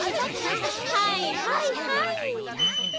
はいはいはい。